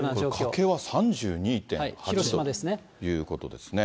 加計は３２．８度ということですね。